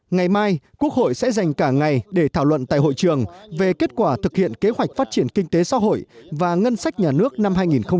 ngày mai quốc hội sẽ dành cả ngày để thảo luận tại hội trường về kết quả thực hiện kế hoạch phát triển kinh tế xã hội và ngân sách nhà nước năm hai nghìn một mươi chín